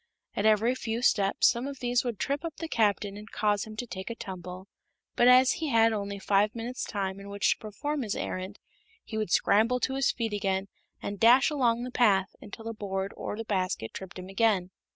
At every few steps some of these would trip up the Captain and cause him to take a tumble, but as he had only five minutes' time in which to perform his errand he would scramble to his feet again and dash along the path until a board or the basket tripped him again.